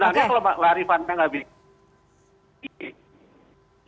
kalau marifana tidak bingung